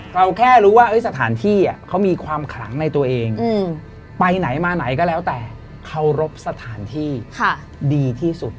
เราแค่รู้ว่าสถานที่เขามีความขลังในตัวเองไปไหนมาไหนก็แล้วแต่เคารพสถานที่ดีที่สุด